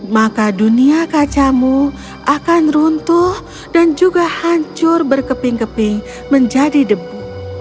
maka dunia kacamu akan runtuh dan juga hancur berkeping keping menjadi debu